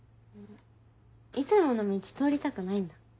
いつもの道通りたくないんだ。